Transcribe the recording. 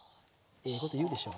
ええこと言うでしょう。